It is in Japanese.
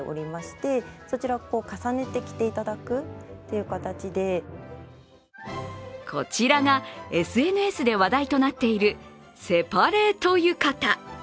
その正体はこちらがＳＮＳで話題となっているセパレート浴衣。